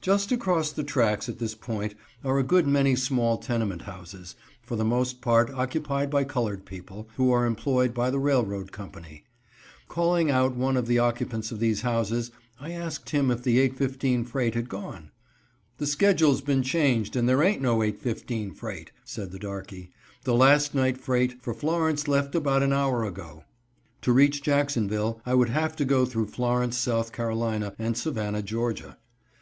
Just across the tracks at this point are a good many small tenement houses, for the most part occupied by colored people, who are employed by the railroad company. Calling out one of the occupants of these houses, I asked him if the 8:15 freight had gone. "The schedule's been changed, and there ain't no 8:15 freight," said the darkey. "The last night freight for Florence left about an hour ago." To reach Jacksonville, I would have to go through Florence, S. C., and Savannah, Ga.